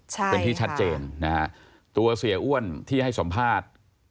ใช่เป็นที่ชัดเจนนะฮะตัวเสียอ้วนที่ให้สัมภาษณ์